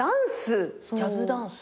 ジャズダンス？